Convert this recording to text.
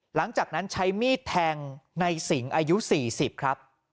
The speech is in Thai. หลังจากนั้นใช้มีดแทงในสิงอายุ๔๐ครับ